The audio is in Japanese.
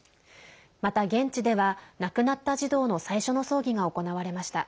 また、現地では亡くなった児童の最初の葬儀が行われました。